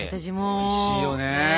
おいしいよね！ね。